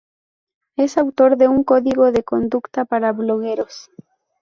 Es autor de un Código de conducta para blogueros.